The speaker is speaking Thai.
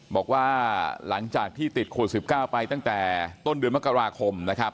บอกว่าหลังจากที่ติดโควิด๑๙ไปตั้งแต่ต้นเดือนมกราคมนะครับ